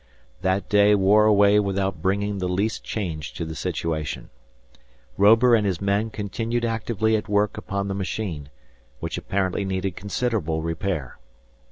That day wore away without bringing the least change to the situation. Robur and his men continued actively at work upon the machine, which apparently needed considerable repair.